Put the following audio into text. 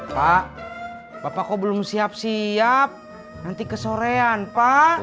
pak bapak kok belum siap siap nanti kesorean pak